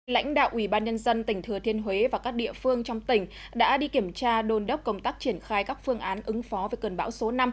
lãnh đạo ủy ban nhân dân tỉnh thừa thiên huế và các địa phương trong tỉnh đã đi kiểm tra đôn đốc công tác triển khai các phương án ứng phó với cơn bão số năm